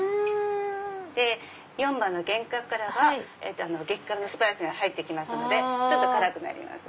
で４番の「幻覚」からは激辛のスパイスが入ってますのでちょっと辛くなります。